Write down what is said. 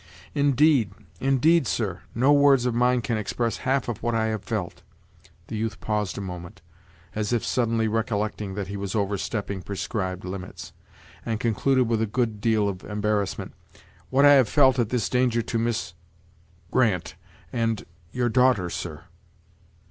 Indeed, indeed, sir, no words of mine can express half of what I have felt " the youth paused a moment, as if suddenly recollecting that he was overstepping prescribed limits, and concluded with a good deal of embarrassment "what I have felt at this danger to Miss Grant, and and your daughter, sir."